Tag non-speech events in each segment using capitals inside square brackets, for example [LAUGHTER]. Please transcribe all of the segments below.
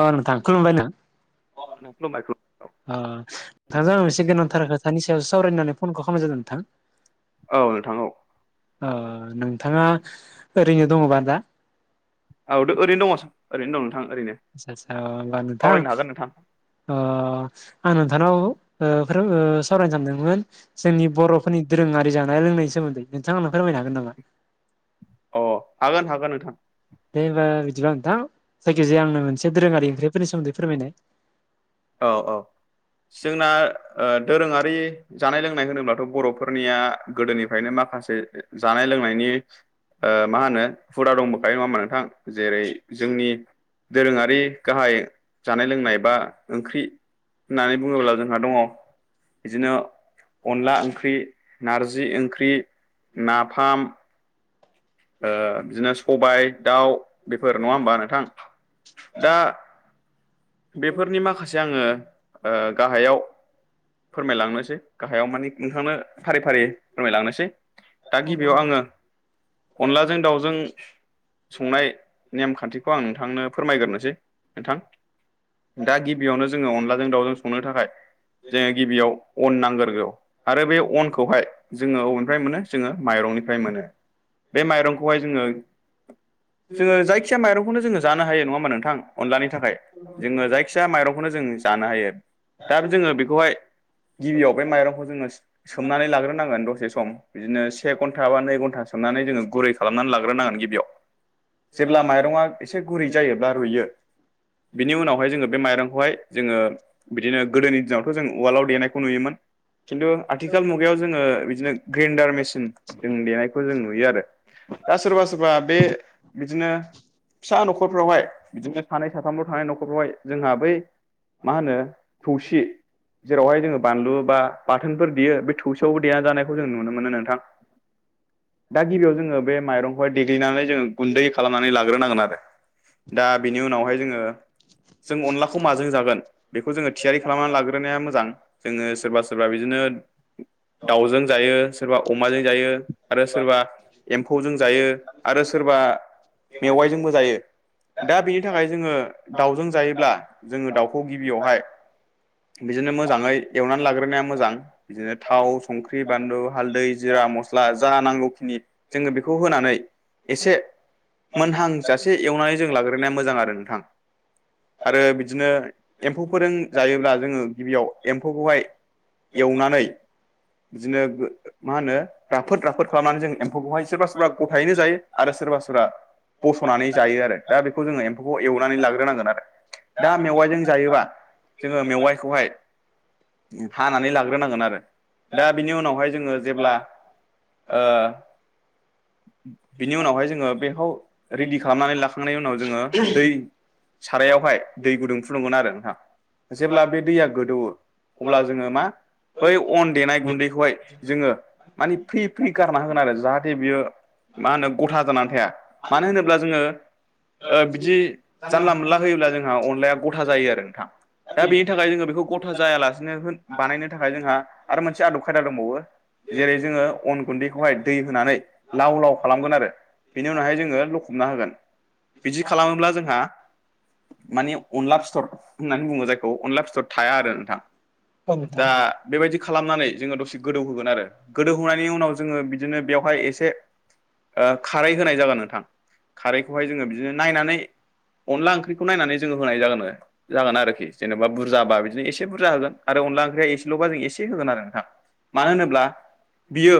अ नोंथां खुलुमबाय नों अ नोंथां खुलुमबाय खुलुमबाय अह नोंथांजों मोनसे गोनांथार खोथानि सायावसो सावरायनो‌ होननानै फनखौ खालामनाय जादों नोंथां। औ नोंथां औ। ओ नोंथाङा ओरैनो दङबा दा। औ दो ओरैनो दङस ओरैनो दं नोंथां ओरैनो। आसा सा होमबा नोंथां सावरायनो हागोन नोंथां ओ आं नोंथांनाव ओ फोर ओ सावरायनो सानदोंमोन जोंनि बरफोरनि दोरोङारि जानाय लोंनायनि सोमोन्दै नोंथांआ आंनो फोरमायनो हागोन नामा? अ हागोन हागोन नोंथां। दे होमबा बिदिबा नोंथां जायखिजाया आंनो मोनसे दोरोङारि ओंख्रिफोरनि सोमोन्दै फोरमायनो औ औ जोंना ओ दोरोङारि जानाय लोंनाय होनोबाथ' बरफोरनिया गोदोनिफायनो माखासे जानाय लोंनायनि ओ मा होनो हुदा दंबोखायो नङा होमबा नोंथां जेरै जोंनि दोरोङारि गाहाय जानाय लोंनाय बा ओंख्रि होननानै बुङोब्ला जोंहा दङ बिदिनो अनला ओंख्रि नारजि ओंख्रि नाफाम ओ बिदिनो सबाय दाउ बेफोर नङा होमबा नोंथां दा बेफोरनि माखासे आङो ओ गाहायाव फोरमायलांनोसै गाहायाव माने नोंथांनो फारि फारि फोरमायलांनोसै। दा गिबियाव आङो अनलाजों दाउजों संनाय नेमखान्थिखौ आं नोंथांनो फोरमायग्रोसै नोंथां। दा गिबियावनो जोङो अनलाजों दाउजों संनो थाखाय जोङो गिबियाव अन नांग्रोगौ। आरो बे अनखौहाय जोङो अबेनिफ्राय मोनो जोङो माइरंनिफ्राय मोनो। बे माइरंखौहाय जोङो जोङो जायखिजाया माइरंखौनो जोङो जानो हायो नङा होमबा नोंथां अनलानि थाखाय जोंनो जाय खिया माइरंखौनो जों जानो हायो दा जोङो बेखौहाय गिबियाव बे माइरंखौ जोङो सोमनानै लाग्रोनांगोन दसे सम। बिदिनो से घन्टा बा नै घन्टा सोमनानै जोङो गुरै खालामनानै लाग्रोनांगोन गिबियाव। जेब्ला माइरङा एसे गुरै जायोब्ला रुइयो बिनि उनावहाय जोङो बे माइरंखौहाय जोङो बिदिनो गोदोनि दिनावथ' जों उवालाव देनायखौ नुयोमोन खिन्थु आथिखाल मु मुगायाव जोङो बिदिनो ग्रेन्डार मेसिन जों देनायखौ जों नुयो आरो। दा सोरबा सोरबा बे बिदिनो फिसा नखरफ्रावहाय बिदिनो सानै सा थामल थानाय नखरफ्रावहाय जोंहा बै मा होनो थौसि जेरावहाय जोङो बानलु बा बाथोनफोर देयो बे थौसेयावबो देना जानायखौ जों नुनो मोनो नोंथां। [INAUDIBLE] दा गिबियाव जोङो बे माइरंखौहाय देग्लिनानै जोङो गुन्दै खालामनानै लाग्रोनांगोन आरो। दा बेनि उनावहाय जोङो जों अनलाखौ माजों जागोन बेखौ जोङो थियारि खालामनानै लाग्रोनाया मोजां जोङो सोरबा सोरबा बिदिनो दाउजों जायो सोरबा अमाजों जायो। आरो सोरबा एम्फौजों जायो आरो सोरबा मेवाइजोंबो जायो। दा बेनि थाखाय जोङो दाउजों जायोब्ला जोङो दाउखौ गिबियावहाय बिदिनो मोजांङै एवनानै लाग्रोनाया मोजां। बिदिनो थाव संख्रि बानलु हाल्दै जिरा मस्ला जा नांगौखिनि जोंङो बेखौ होनानै एसे मोनहांजासे एवनानै जों लाग्रोनाया मोजां आरो नोंथां? आरो बिदिनो एम्फौ फोरजों जायोब्ला जोंङो गिबियाव एम्फौखौहाय एवनानै बिदिनो मा होनो राफोद राफोद खालामनानै जों एम्फौखौहाय सोरबा सोरबा गथायैनो जायो। आरो सोरबा सोरबा बस'नानै जायो। आरो दा बेखौ जोंङो एम्फौखौ एवनानै लागोन होनांगोन आरो दा मेवाइजों जायोबा। जोंङो मेवाइखौहाय हानानै लाग्रोनांगोन आरो दा बिनि उनावहाय जोंङो जेब्ला ओ बिनि उनावहाय जोंङो बेखौ रेडि खालामनानै लाखांनायनि उनाव जोंङो दै सारायावहाय दै गुदुं फुदुंगमोन आरो नोंथां। जेब्ला बे दैया गोदौवो अब्ला जोंङो मा? बै अन देनाय गुन्दैखौहाय जोंङो माने फ्रि फ्रि गारना होगोन आरो जाहाथे बियो मा होनो ग'था जानानै थाया मानो होनोब्ला जोंङो बिदि जानला मोनला होयोब्ला जोंहा अनलाया गथा जायो। आरो नोंथां दा बेनि थाखाय जोंङो बेखौ ग'था जायालासिनो बानायनो थाखाय जोंहा आरो मोनसे आदब खायदा दंबावो। जेरै जोंङो अन गुन्दैखौहाय दै होनानै लाव लाव खालामगोन आरो। बिनि उनावहाय जोंङो लखबना होगोन बिदि खालामोब्ला जोंहा मानि अनला फिथर होननानै बुंङो जायखौ अनला फिथर थाया आरो नोंथां। औ दा नोंथाङा बेबायदि खालामनानै जोंनि जोंङो दसे बुस्थुफोरखौ गोदौ मोनगोन होगोन आरो गोदौहोनायनि जोङो उनाव जोंङो बि बिदिनो बेवहाय एसे खारै होनाय जागोन नोंथां खारैखौहाय जोंङो बिदिनो नायनानै अनला ओंख्रिखौ नायनानै जोंङो होनाय जागोन आरो। जागोन आरोखि जेनेबा बुरजाबा बिदिनो एसे बुरजा होगोन। आरो अनला ओंख्रिया एसेल'बा जों एसे होगोन आरो नोंथां। मानो होनोब्ला बियो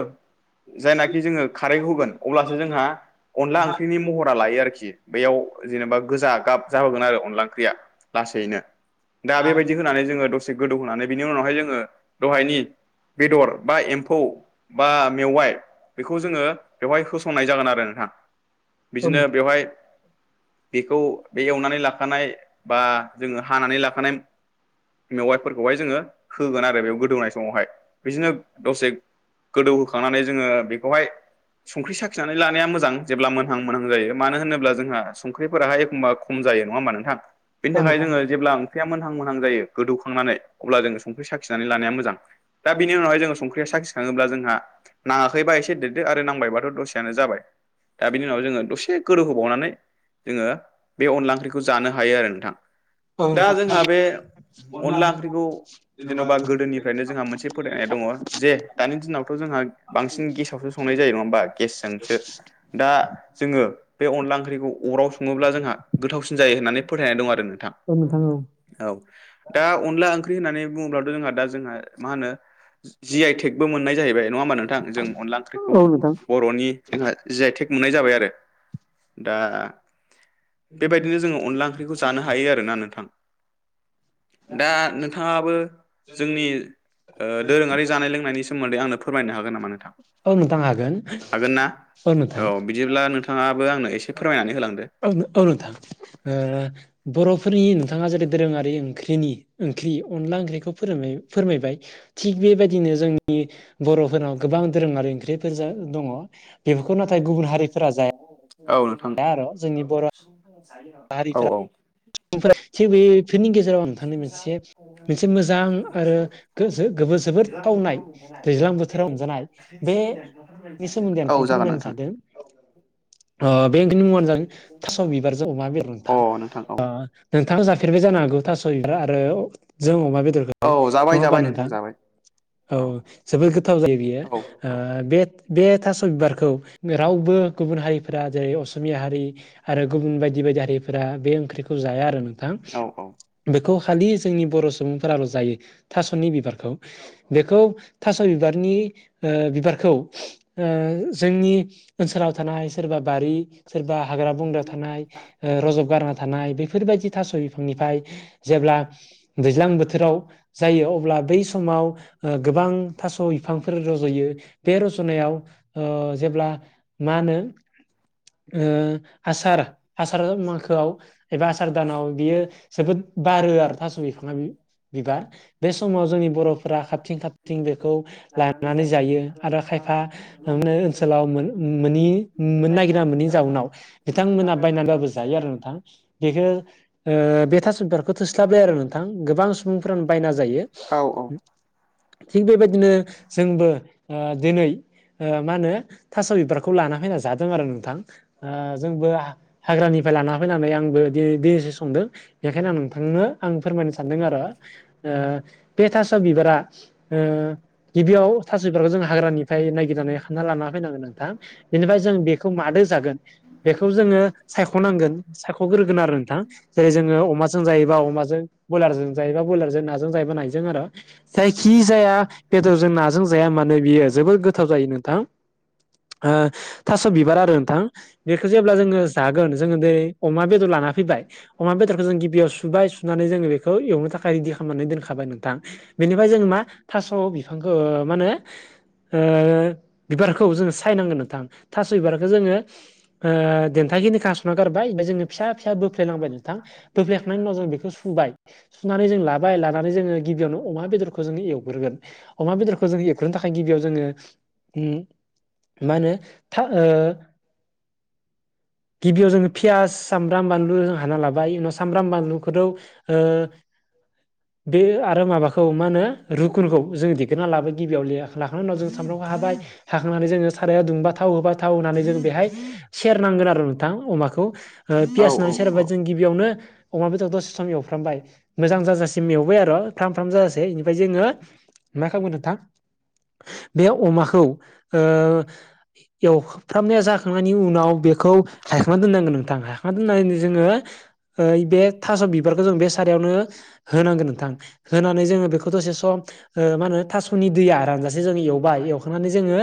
जायनाखि जोंङो। खारै होगोन अब्लासो जोंहा अनला ओंख्रिनि महरा लायो आरोखि बेयाव जेनेबा ग जोगोन अनला ओं लानो दा बे होन जोंङो दसे गोदौ होनोनानै बिनि उनावहाय जोंङो दहायनि बेदर बा एम्फौ बा मेवाइ बेखौ जोंङो बेवहाय होसंनाय जागोन आरो नोंथां। एसे बिदिनो बेवहाय। औ बेखौ बे एवनानै लाखानाय बा। जोंङो हानानै लाखानाय मेवाइफोरखौहाय जोंङो होगोन आरो बेयाव गोदौवनाय समावहाय बिदिनो दसे गोदौहोखांनानै जोंङो बेखौहाय संख्रि साखिनानै लानाया मोजां। जेब्ला मोनहां मोनहां जायो मानो होनोब्ला जोंहा संख्रिफोराहाय एखमबा खम जायो। नंङा होमबा नोंथां बेनि औ थाखाय नोंथां जोंङो जेब्ला संख्रिया मोनहां मोनहां जायो गोदौखांनानै अब्ला जों संख्रि साख्रि सिखिनानै लानाया मोजां दा। बिनि उनावाय जोंङो संख्रि साखि थांङोब्ला जोंहा नांङाखैबा एसे देरदो आरो नांबायबाथ' दसेानो जाबाय। दा बिनि उनाव जोंङो दसे गोदोव होबावनानै जोंङो बे अनला ओंख्रिखौ जानो हायो आरो नोंथां। औ दा जोंहा बे अनला ओंख्रिखौ जेन'बा गोदोनिफ्रायनो जोंहा मोनसे फोथायनाय दंङ जे दानि दिनावथ' जोंहा बांसिन गेसावसो संनाय जायो नंङा होमबा गेसजोंसो दा जोंङो बे अनला ओंख्रिखौ अराव संङोब्ला जोंहा गोथावसिन जायो होननानै फोथायनाय दं आरो नोंथां औ नोंथां औ। दा अनला ओंख्रि होननानै बुंङोब्लाथ' जोंहा दा जोंहा मा होनो जि आइटेकबो मोनो। नाय जाहैबाय नंङा होमबा नोंथां जों अनला ओंख्रिखौ औ नोंथां औ नोंथां बर'नि जोंहा जायटेक मोननाय जाबाय। आरो दा बेबायदिनो जोंङो अनला ओंख्रिखौ जानो हायो आरोना नोंथां। दा नोंथाङाबो जोंनि दोरोङारि जानाय लोंनायनि सोमोन्दै आंनो फोरमायनो हागोन नामा नोंथां? औ नोंथां हागोन हागोन ना? औ नों औ बिदिब्ला नोंथाङाबो आंनो एसे फोरमायनानै होलां औ औ नोंथां ओ बर'फोरनि नोंथाङा जेरै दोरोङारि ओंख्रिनि ओंख्रि अनला ओंख्रिखौ फोर फोरमायबाय थिग बेबायदिनो जोंनि बर'फोरनाव गोबां दोरोङारि ओंख्रिफोरजो दङ बेफोरखौ नाथाय गुबुन हारिफोरा जाया औ नों दा आरो' जोंनि बर' औ औ आमफ्राय बेफोरनि गेजेर जेराव नोंथांनि मोनसे मोनसे मोजां आरो गो जोबोद थावनाय दैैज्लां बोथोराव मोनजानाय बेनि सोमोन्दै औ नोंथांनो जागोन फोरमायनो नोंथां सानदों ओ बे ओंनि मुङानो जादों थास' बिबारजों अमा बेदर अ नोंथां औ नोंथाङा जाफेरबाय जानो हागौ थास' बिबार आरो जों अमा बेदरखौ औ जाबाय नङा होमबा जाबाय नोंथां! जाबाय औ जोबोद गोथाव जायो बेयो औ ओ औ बे बे थास बिबारखौ रावबो गुबुन हारिफोरा जेरै असमिया हारि आरो गुबुन बायदि बायदि हारिफोरा बे ओंख्रिखौ जाया आरो नोंथां औ औ बेखौ खालि जोंनि बर' सुबुंफोराल' जायो थास'नि बिबारखौ बेखौ थास' बिबारनि ओ बिबारखौ ओ जोंनि ओनसोलाव थानाय सोरबा बारि सोरबा हाग्रा बंग्रा थानाय ओ रजब गारना थानाय बे बेफोरबायदि थास' बिफांनिफ्राय जेब्ला दैज्लां बोथोराव जायो अब्ला बै समाव गोबां थास' बिफांफोर रज'यो बे रज'नायाव जेब्ला मा होनो ओ आसार आसार मांखोआव एबा आसार दानाव बियो जोबोद बारो आरो थास' बिखाङा बि बिबार बे समाव जोंनि बर'फोरा खाबथिं खाबथिं बेखौ लानानै जायो आरो खायफान ओनसोलाव मोननि मोननो नागिरा मोननि जाउनाव बिथांमोनहा बायनानैबाबो जायो आरो नोंथां बेखौ ओ बे थास'बिबारखौ थोस्लाब लाया आरो नोंथां। गोबां सुबुंफोरानो बायना जायो औ औ थिग बेबायदिनो जोंबो ओ दिनै ओ माहोनो थास' बिबारखौ लाना फैना जादों आरो नोंथां जोंबो हाग्रानिफ्राय लाना फैनानै आंबो दिनिसो संदों बेखायनो आं नोंथांनो आं फोरमायनो सानदों आरो ओ बे थास' बिबारा ओ गिबियाव थासैफोरखौ जों हाग्रानिफ्राय नायगिरनानै खानना लाना फैनांगोन नोंथां। बेनिफ्राय जों बेखौ मादो जागोन बेखौ जोङो सायख'नांगोन सायख'ग्रो नोंथां जेरै जों अमाजों जायोबा अमाजों बयलारजों जायोबा बयलारजों नाजों जायोबा नायजों आरो जायखि जाया बेदरजों नाजों जाया मानो बियो जोबोद गोथाव जायो नोंथां ओ थास' बिबार आरो नोंथां बेखौ जेब्ला जोङो जागोन जोङो दै अमा बेदर ला फैबाय अमा बेदरखौ जों गिबियाव सुबाय सुनानै जोङो बेखौ एवनो थाखाय रेडि खालामनानै दोनखाबाय नोंथां बेनिफ्राय जों मा थास' बिफांखौ मा होनो ओ बिबारखौ जोङो सायनांगोन थां थास'बिबार जोङो ओ देन्था खिनाखो हासय'ना गारबाय ओमफाय जोङो फिसा बोफ्लेयलांबाय नोंथां बोफ्लेखांनायनि उनाव जों बेखौ सुबाय सुनानै जों लाबाय। लानानै जोङो गिबियावनो अमा बेदर जोङो एवग्रोगोन। अमा बेदरखौ जों एवग्रोनो थाखाय गिबियाव जोङो मा होनो, ओ गिबियाव जोङो पियास बानलु जों हाना लाबाय उनाव सामब्राम बानलु खौथ' ओ बे आरो माबाखौ मा होनो रुखुनखौ जों दिगोरना लाबाय गिबियाव लेया लाखांनायनि उनाव जों सामबामखौ हाबाय हाखांनानै जोङो साराया दुंबा थाव होबाय थाव होनानै जों बेहाय सेरनांगोन आरो। थां अमाखौ ओ औ पियास होननानै सेरोबा जों गिबियावनो अमा बेदर दसे सम एवफ्रामबाय। मोजां जाजासिम एवबाय आरो फ्राम फ्राम जाजासै बेनिफ्राय जोङो मा खालामगोन नोंथां बे अमाखौ ओ एवफ्रामनाया जाखांनायनि उनाव बेखौ हायखांना दोननांगोन नोंथां हायख हायखांना दोननानै जोङो ओ बे थास' बिबारखौ जों बे सारायावनो होनांगोन नोंथां। होनानै जोङो बेखौ दसे सम ओ मा होनो थास'नि दैया रानजासे जों एवबाय एवखांनानै जोङो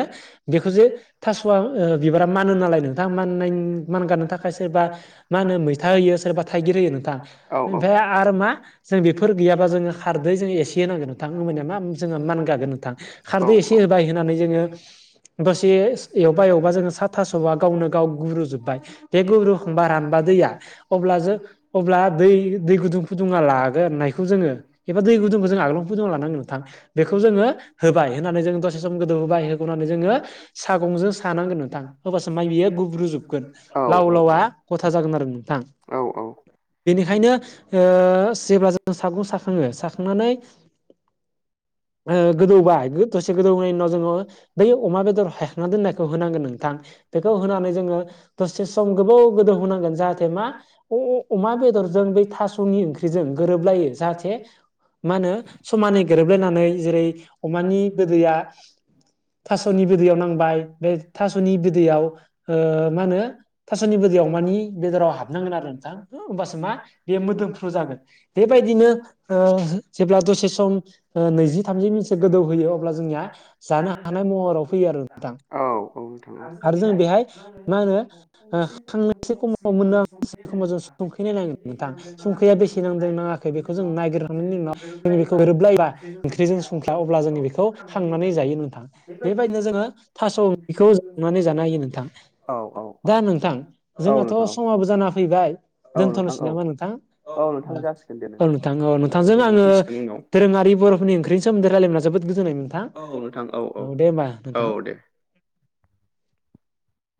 बेखौ जे थास'वा ओ बिबारा मानो नालाय नोंथाङा माननायनि मानगानो थाखाय सोरबा होनो मैथा होयो सोरबा थाइगिर होयो नोंथां ओमफ्राय आरो मा जों बेफोर गैयाबा जोङो खारदै जों एसे होनांगोन नोंथां होनबानिया मा जोङो मान गागोन नोंथां औ खारदै एसे होबाय होनानै जोङो दसे एवबा एवबा जोङो सा थास'आ गावनो गाव गुब्रुजोबबाय बे गुब्रुखांबा रान दैया अब्ला जों अब्ला दै दै गुदुं फुदुंना लादों आरोना बेखौ जोङो एबा दै गुदुंखो जों आगोलावनो फुदुं लानांगोन नोंथां बेखौ जोङो होबाय होनानै जों दसे सम गोदौ होबाय होखांनै जोङो सागंजों सानांगोन नोंथां हबासो माइ बेयो गुब्रुजोबगोन। लाव लावा खथा जागोन आरो नोंथां औ बेनिखायनो ओ जेब्ला जों सागं साखाङो साखांनानै ओ गोदौबाय दसे गोदौनायनि उनाव जोङो बै अमा बेदर हायखांना दोननायखौ होनांगोन नोंथां। बेखौ होनानै जोङो दसे सम गोबाव गोदौ होना जाहाथे मा अ अ अमा बेदरजों बै थास'नि ओंख्रिजों गोरोबलायो जाहाथे मा होनो समानै गोरोबलायनानै जेरै अमानि गोदैया थास'नि बिदैयाव नांबाय बे थास'नि बिदैयाव ओ मा होनो थास'नि बिदैयाव अमानि बेदराव हाबनांगोन आरो नोंथां हो होमबासो मा बे मोदोमफ्रु जागोन बेबायदिनो ओ जेब्ला दसे सम ओ नैजि थामजि मिनिटसो [UNINTELLIGIBLE] जोंना जानो हानाय महराव फैयो आरो नोंथां औ आरो जों औ बेहाय होनो मा ओ होनो [UNINTELLIGIBLE] [UNINTELLIGIBLE] संख्रि नायनांगोन नोंथां संख्रैया बेसे नांदों नाङाखै खै बेखौ जों नागिरखांनायनि उनाव जों बेखौ गोरोबलायबा ओंख्रिजों संफिन दा अब्ला जोङो बेखौ खांनानै जायो नोंथां। बेबायदिनो जोङो थास' बेखौ संनानै जानो हायो नोंथां। औ औ औ दा नोंथां जोंहाथ' नोंथां औ समाबो जाना फैबाय औ नोंथां दोनथ'नोसै औ नामा नोंथां औ नोंथां जासिगोन दे नों औ नोंथां औ नोंथांजों आङो गोबावसो सिगांनि उनाव दोरोङारि बर'फोरनि ओंख्रि सोमोन्दै रायलायना मोनना जोबोद गोजोनदों नोंथां औ दे होनबा नोंथां। औ दे